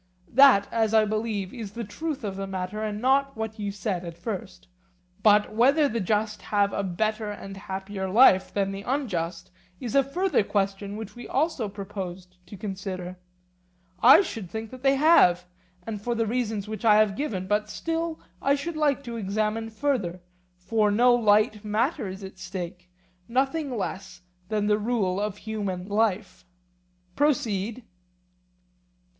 That, as I believe, is the truth of the matter, and not what you said at first. But whether the just have a better and happier life than the unjust is a further question which we also proposed to consider. I think that they have, and for the reasons which I have given; but still I should like to examine further, for no light matter is at stake, nothing less than the rule of human life. Proceed.